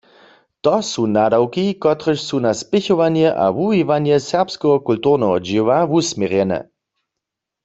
To su nadawki, kotrež su na spěchowanje a wuwiwanje serbskeho kulturneho dźěła wusměrjene.